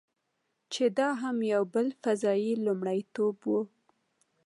چې دا هم یو بل فضايي لومړیتوب و.